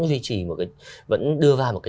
duy trì vẫn đưa vào một cái